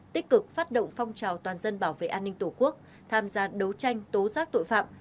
tích cực phát động phong trào toàn dân bảo vệ an ninh tổ quốc tham gia đấu tranh tố giác tội phạm